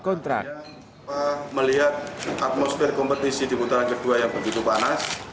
kita melihat atmosfer kompetisi di putaran kedua yang begitu panas